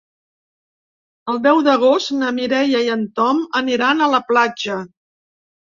El deu d'agost na Mireia i en Tom aniran a la platja.